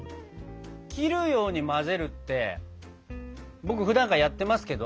「切るように混ぜる」って僕ふだんからやってますけど。